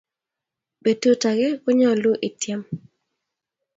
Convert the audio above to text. Petut age ko nyalu itiem